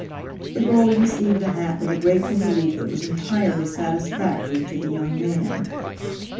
The girl received the hat with a grateful relief that was entirely satisfactory to the young man.